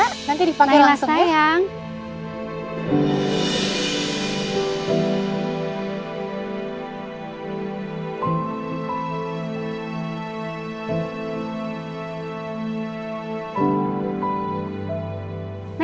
suka nanti dipake langsung ya